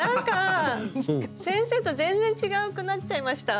先生と全然違くなっちゃいました。